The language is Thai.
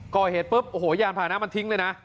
ก่อเหตุปุ๊บโอ้โหยานผ่านะมันทิ้งเลยนะ